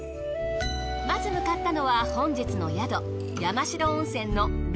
まず向かったのは本日の宿山代温泉の瑠璃光です。